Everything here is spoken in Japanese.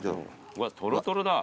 うわっトロトロだ。